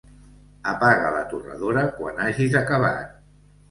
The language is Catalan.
Apaga la torradora quan hagis acabat.